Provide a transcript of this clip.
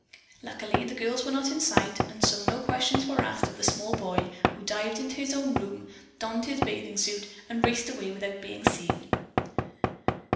Luckily the girls were not in sight, and so no questions were asked of the small boy, who dived into his own room, donned his bathing suit and raced away, without having been seen.